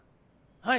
はい！